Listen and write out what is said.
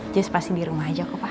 jis pasti di rumah aja kok pa